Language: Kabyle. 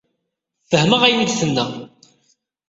Fehmeɣ ayen i d-tenna.